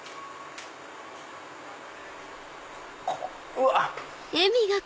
うわっ！